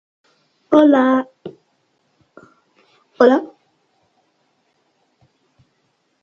No eixir de bolquers.